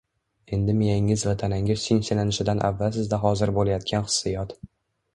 Endi miyangiz va tanangiz tinchlanishidan avval sizda hozir bo’layotgan hissiyot